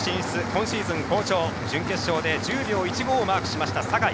今シーズン好調、準決勝で１０秒１５をマークした坂井。